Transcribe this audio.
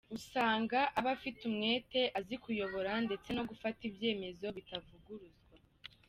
Usanga aba afite umwete, azi kuyobora ndetse no gufata ibyemezo bitavuguruzwa.